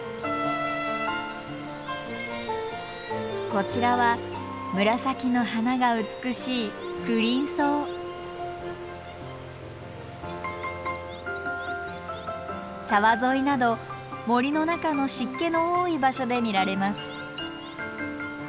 こちらは紫の花が美しい沢沿いなど森の中の湿気の多い場所で見られます。